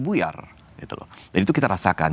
buyar itu kita rasakan